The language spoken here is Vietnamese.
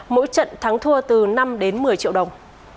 mỗi trận thắng thua từ năm đến một mươi triệu đồng